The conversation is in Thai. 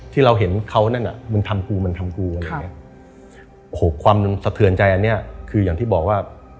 ที่เราเห็นเขานั้นมันทำกูมันทำกูความสะเทือนใจอันนี้คืออย่างที่บอกว่า